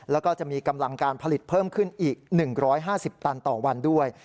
แล้วก็จะมีกำลังการผลิตเพิ่มขึ้นอีก๑๕๐ตันต่อวันด้วย